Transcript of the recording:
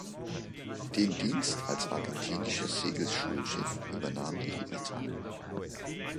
Den Dienst als argentinisches Segelschulschiff übernahm die "Libertad".